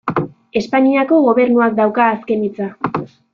Espainiako Gobernuak dauka azken hitza.